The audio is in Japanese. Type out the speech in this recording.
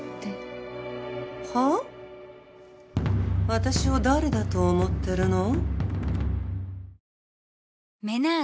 私を誰だと思ってるの？